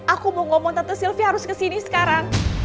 aku mau ngomong tante sylvi harus kesini sekarang